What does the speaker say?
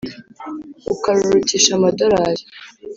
Ukarurutisha amadorari